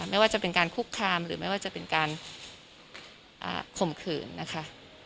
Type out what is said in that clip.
ไม่ว่าจะเป็นการคุกคามหรือไม่ว่าจะเป็นการข่มขืนนะคะ